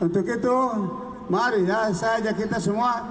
untuk itu mari ya saya ajak kita semua